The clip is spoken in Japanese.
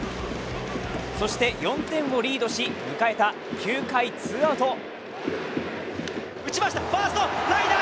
そして４点をリードし迎えた９回２アウト。